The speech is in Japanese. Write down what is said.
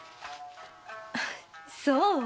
そう？